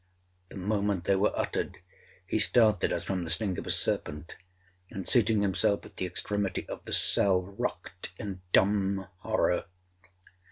The moment they were uttered, he started as from the sting of a serpent, and, seating himself at the extremity of the cell, rocked in dumb horror.